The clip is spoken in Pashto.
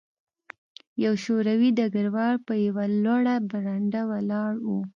یو شوروي ډګروال په یوه لوړه برنډه ولاړ و